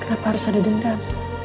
kenapa harus ada dendam